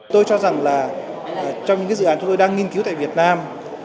tôi cho rằng là trong những dự án chúng tôi đang nghiên cứu tại việt nam